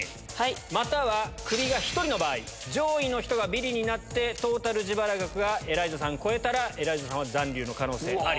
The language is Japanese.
またはクビが１人の場合上位の人がビリになってトータル自腹額がエライザさん超えたらエライザさんは残留の可能性あり。